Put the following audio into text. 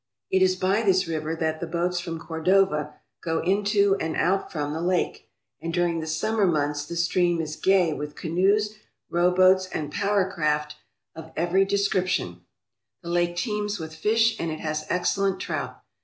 It is by this river that the boats from Cordova go into and out from the lake, and during the summer months the stream is gay with canoes, rowboats, and power craft of every de 296 ON THE COPPER RIVER RAILWAY scription. The lake teems with fish and it has excellent trout.